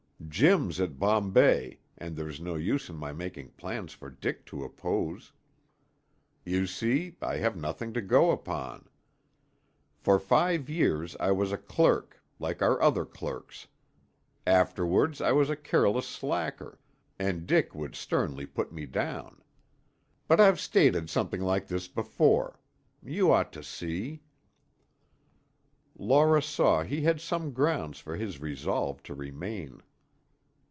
Jim's at Bombay, and there's no use in my making plans for Dick to oppose. You see, I have nothing to go upon. For five years I was a clerk, like our other clerks; afterwards I was a careless slacker, and Dick would sternly put me down. But I've stated something like this before. You ought to see " Laura saw he had some grounds for his resolve to remain.